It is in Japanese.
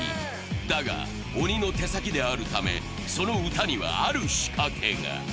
だが、鬼の手先であるため、その歌にはある仕掛けが。